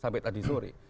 sampai tadi sore